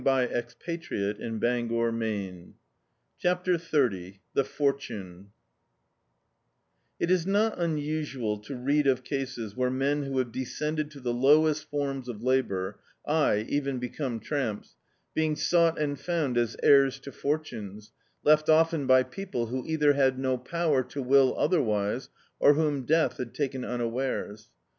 Dictzed by Google CHAPTER XXX THB FORTUNE IT is not unusual to read of cases where men who have descended to the lowest fonns of labour — aye, even become tramps — being sougjit and found as heirs to fortunes, left often by people who either had no power to will otherwise, or whom death had taken unawares.